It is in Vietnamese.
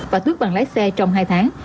và tuyết bằng lái xe trong hai tháng